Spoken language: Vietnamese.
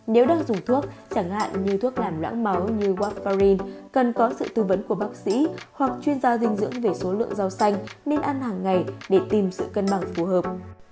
nếu đang dùng thuốc chẳng hạn như thuốc làm lãng máu như wafari cần có sự tư vấn của bác sĩ hoặc chuyên gia dinh dưỡng về số lượng rau xanh nên ăn hàng ngày để tìm sự cân bằng phù hợp